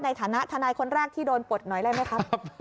ในฐานะทนายคนแรกที่โดนปลดหน่อยได้ไหมครับ